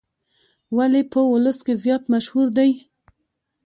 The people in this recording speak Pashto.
ولې په ولس کې زیات مشهور دی.